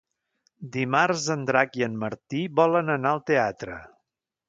Dimarts en Drac i en Martí volen anar al teatre.